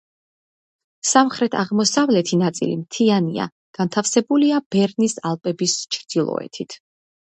სამხრეთ-აღმოსავლეთი ნაწილი მთიანია, განთავსებულია ბერნის ალპების ჩრდილოეთით.